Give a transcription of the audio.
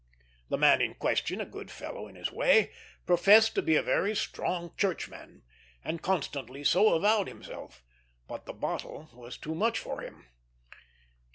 The man in question, a good fellow in his way, professed to be a very strong churchman, and constantly so avowed himself; but the bottle was too much for him.